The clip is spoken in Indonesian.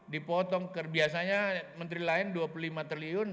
dipotong biasanya menteri lain dua puluh lima triliun